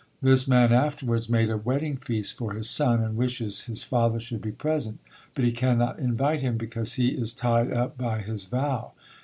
This man afterwards made a wedding feast for his son, and wishes his father should be present; but he cannot invite him, because he is tied up by his vow.